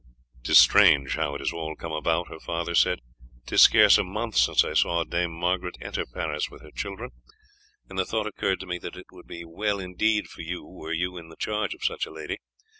"'Tis strange how it has all come about," her father said. "'Tis scarce a month since I saw Dame Margaret enter Paris with her children, and the thought occurred to me that it would be well indeed for you were you in the charge of such a lady.